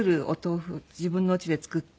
自分のうちで作って。